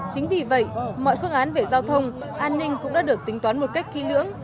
chính vì vậy mọi phương án về giao thông an ninh cũng đã được tính toán một cách kỹ lưỡng